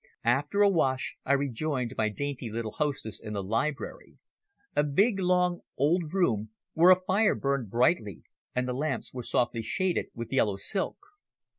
After a wash I rejoined my dainty little hostess in the library a big, long, old room, where a fire burned brightly and the lamps were softly shaded with yellow silk.